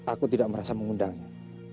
aku tidak merasa mengundangnya